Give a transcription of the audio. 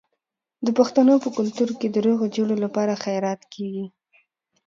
د پښتنو په کلتور کې د روغې جوړې لپاره خیرات کیږي.